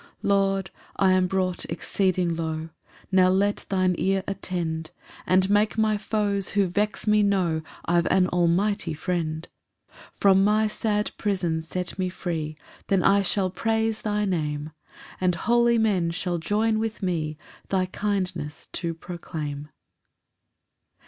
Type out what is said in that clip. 5 Lord, I am brought exceeding low, Now let thine ear attend, And make my foes who vex me know I've an almighty Friend. 6 From my sad prison set me free, Then shall I praise thy Name, And holy men shall join with me Thy kindness to proclaim.